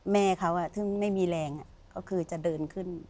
แม่เขาซึ่งไม่มีแรงก็คือจะเดินขึ้น